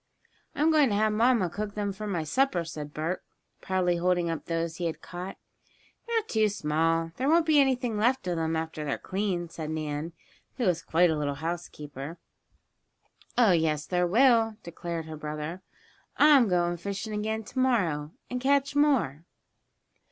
"I'm going to have mamma cook them for my supper," said Bert, proudly holding up those he had caught. "They're too small there won't be anything left of them after they're cleaned," said Nan, who was quite a little housekeeper. "Oh, yes, there will," declared her brother. "I'm going fishing again tomorrow and, catch more."